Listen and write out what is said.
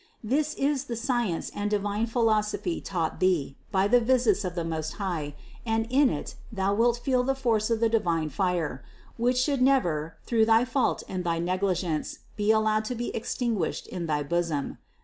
This is the science and divine philosophy taught thee by the visits of the Most High and in it thou wilt feel the force of the divine fire, which should never through thy fault and thy negligence, be allowed to become extinguished in thy bosom.